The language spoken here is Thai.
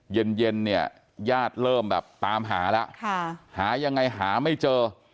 เย็นเนี่ยญาติเริ่มแบบตามหาแล้วหายังไงหาไม่เจอ